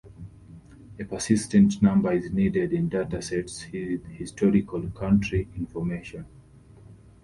A persistent number is needed in datasets with historical country information.